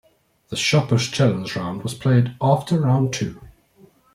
The "Shopper's Challenge Round" was played after round two.